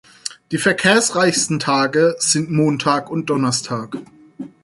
Die verkehrsreichsten Tage sind Montag und Donnerstag.